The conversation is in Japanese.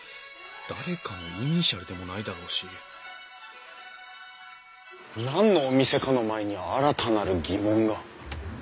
誰かのイニシャルでもないだろうし何のお店かの前に新たなる疑問が。